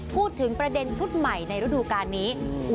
พูดถึงประเด็นชุดใหม่ในฤดูการนี้